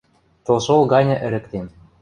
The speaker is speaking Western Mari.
Тылшол ганьы ӹрӹктем